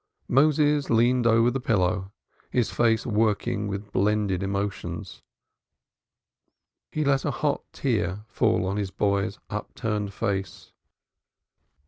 Moses leaned over the pillow, his face working with blended emotions. Me let a hot tear fall on his boy's upturned face.